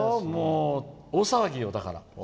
大騒ぎよ、だから。